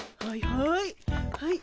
はいはい。